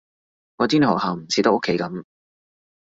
我知你學校唔似得屋企噉